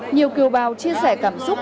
nhiều kiều bào chia sẻ cảm xúc